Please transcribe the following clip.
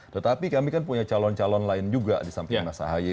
tetapi kami kan punya calon calon lain juga di samping mas ahaye